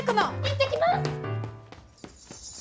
行ってきます！